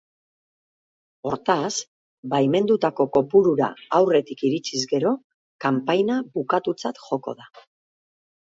Hortaz, baimendutako kopurura aurretik iritsiz gero, kanpaina bukatutzat joko da.